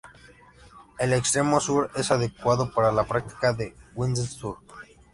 El extremo sur es adecuado para la práctica del windsurf.